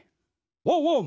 ワンワン！